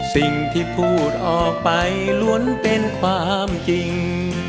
สิ่งที่พูดออกไปล้วนเป็นความจริง